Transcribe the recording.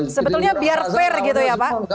sebetulnya biar fair gitu ya pak